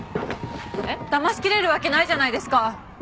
だましきれるわけないじゃないですか。